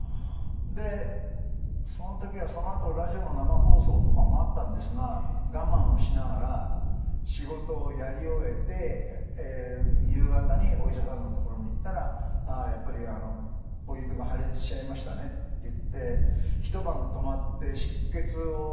でその時はそのあとラジオの生放送とかもあったんですが我慢をしながら仕事をやり終えて夕方にお医者さんのところに行ったら「ああやっぱりポリープが破裂しちゃいましたね」って言って一晩泊まって出血を止めることができるかってやった。